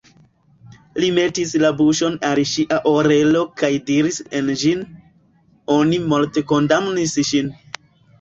Li metis la buŝon al ŝia orelo kaj diris en ĝin: "Oni mortkondamnis ŝin."